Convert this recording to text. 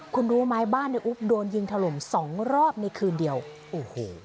คุณรู้ไหมบ้านในอุ๊บโดนยิงถล่มสองรอบในคืนเดียวโอ้โห